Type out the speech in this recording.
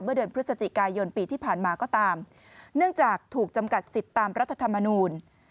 เดือนพฤศจิกายนปีที่ผ่านมาก็ตามเนื่องจากถูกจำกัดสิทธิ์ตามรัฐธรรมนูล